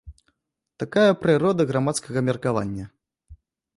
Такая прырода грамадскага меркавання.